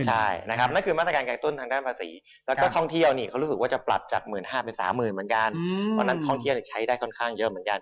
ใช่นะครับนั่นคือมาตรการกระตุ้นทางด้านภาษีแล้วก็ท่องเที่ยวนี่เขารู้สึกว่าจะปรับจาก๑๕๐๐เป็น๓๐๐๐เหมือนกันตอนนั้นท่องเที่ยวใช้ได้ค่อนข้างเยอะเหมือนกัน